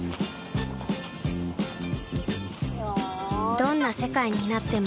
どんな世界になっても